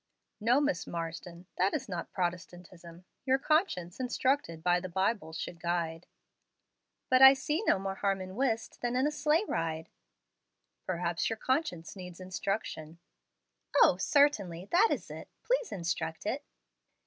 "No, Miss Marsden, that is not Protestantism. Your conscience, instructed by the Bible, should guide." "But I see no more harm in whist than in a sleigh ride." "Perhaps your conscience needs instruction." "O, certainly, that is it! Please instruct it."